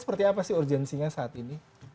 seperti apa sih urgensinya saat ini